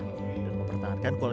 dan mempertahankan kualitas keuangan